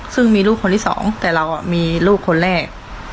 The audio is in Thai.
ซึ่งมีลูกคนที่สองแต่เรามีลูกคนแรก